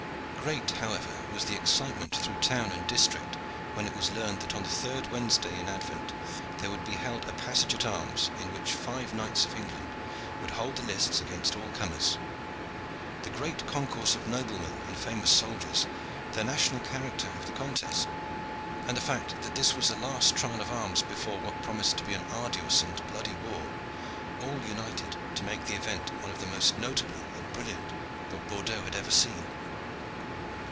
Great, however, was the excitement through town and district when it was learned that on the third Wednesday in Advent there would be held a passage at arms in which five knights of England would hold the lists against all comers. The great concourse of noblemen and famous soldiers, the national character of the contest, and the fact that this was a last trial of arms before what promised to be an arduous and bloody war, all united to make the event one of the most notable and brilliant that Bordeaux had ever seen.